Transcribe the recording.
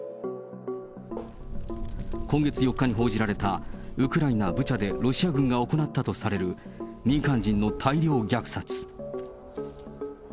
今月４日に報じられた、ウクライナ・ブチャでロシア軍が行ったとされる、民間人の大量虐殺。